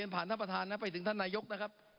ไปถึงท่านนายกนะครับ